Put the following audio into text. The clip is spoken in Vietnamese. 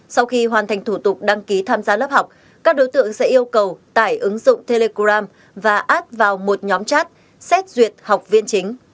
sau khi hoàn thành thủ tục đăng ký tham gia lớp học các đối tượng sẽ yêu cầu tải ứng dụng telegram và app vào một nhóm chat xét duyệt học viên chính